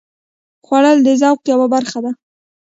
خوړل د ذوق یوه برخه ده